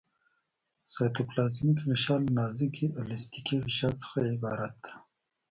سایټوپلازمیک غشا له نازکې الستیکي غشا څخه عبارت ده.